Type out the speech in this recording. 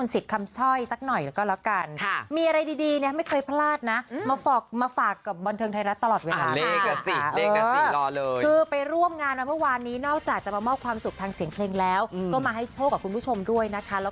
สำหรับบันเทิงไทยรัฐเท่านั้น